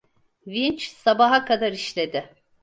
Vinç sabaha kadar işledi.